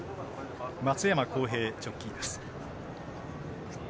松山弘平ジョッキーです。